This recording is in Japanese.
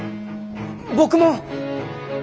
僕も。